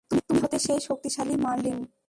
তুমি হতে সেই শক্তিশালী মার্লিন!